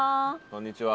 こんにちは。